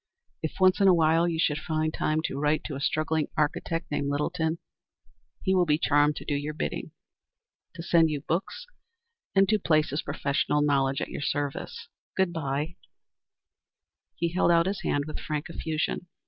If once in a while you should find time to write to a struggling architect named Littleton, he will be charmed to do your bidding to send you books and to place his professional knowledge at your service. Good by." He held out his hand with frank effusion.